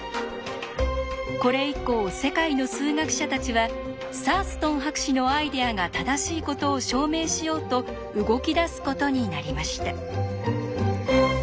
これ以降世界の数学者たちはサーストン博士のアイデアが正しいことを証明しようと動き出すことになりました。